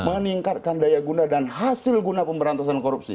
meningkatkan daya guna dan hasil guna pemberantasan korupsi